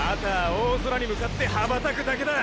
大空に向かって羽ばたくだけだ！！